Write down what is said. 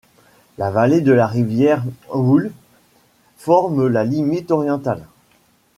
La vallée de la rivière Wuhle forme la limite orientale.